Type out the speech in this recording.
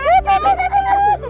tuh tuh tuh tuh